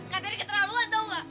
kak diri keterlaluan tau nggak